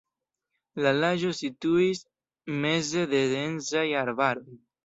La lago situis meze de densaj arbaroj.